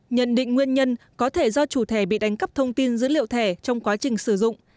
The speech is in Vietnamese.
nhận định nguyên nhân có thể do chủ thẻ bị đánh cắp thông tin dữ liệu thẻ trong quá trình sử dụng